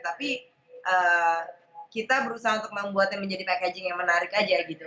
tapi kita berusaha untuk membuatnya menjadi packaging yang menarik aja gitu